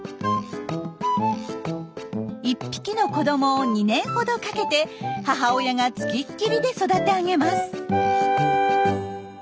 １匹の子どもを２年ほどかけて母親が付きっきりで育て上げます。